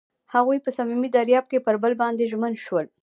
هغوی په صمیمي دریاب کې پر بل باندې ژمن شول.